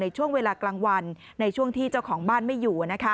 ช่วงเวลากลางวันในช่วงที่เจ้าของบ้านไม่อยู่